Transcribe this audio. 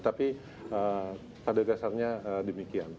tapi pada dasarnya demikian